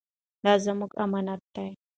دا زموږ امانت دی.